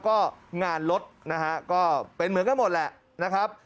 ก็งานลดนะฮะก็เป็นเหมือนกันหมดแหละนะครับ